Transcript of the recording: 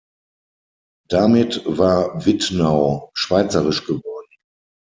Damit war Wittnau schweizerisch geworden.